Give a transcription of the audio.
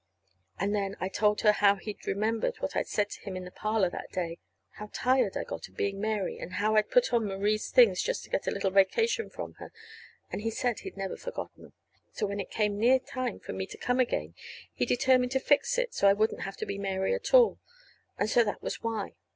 And then I told her how he said he'd remembered what I'd said to him in the parlor that day how tired I got being Mary, and how I'd put on Marie's things just to get a little vacation from her; and he said he'd never forgotten. And so when it came near time for me to come again, he determined to fix it so I wouldn't have to be Mary at all. And so that was why.